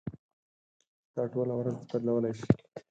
ستا ټوله ورځ بدلولی شي.